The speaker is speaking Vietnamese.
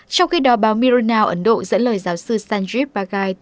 trong khi đó báo mirror now ấn độ dẫn lời giáo sư sanjeev bagai